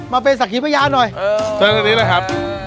มาเป็นสักทีพระยาหน่อยจนกันนี้แหละครับ